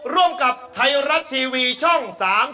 ร่วมกับไทยรัฐทีวีช่อง๓๒